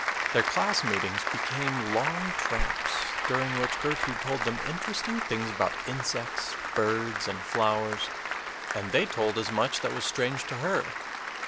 Their class meetings became long tramps, during which Gertrude told them interesting things about insects, birds, and flowers, and they told as much that was strange to her.